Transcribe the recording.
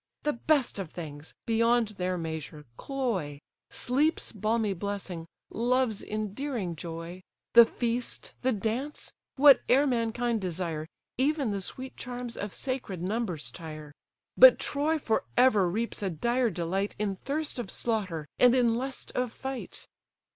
The best of things, beyond their measure, cloy; Sleep's balmy blessing, love's endearing joy; The feast, the dance; whate'er mankind desire, Even the sweet charms of sacred numbers tire. But Troy for ever reaps a dire delight In thirst of slaughter, and in lust of fight."